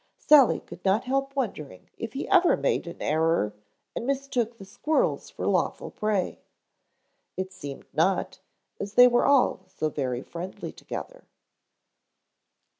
Sally could not help wondering if he ever made an error and mistook the squirrels for lawful prey. It seemed not, as they were all so very friendly together.